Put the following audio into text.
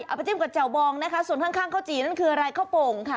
เอาไปจิ้มกับเจ๋วบองนะคะส่วนข้างเขาจีนั่นคืออะไรเขาโป่งค่ะ